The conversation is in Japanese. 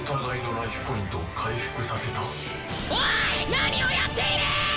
何をやっている！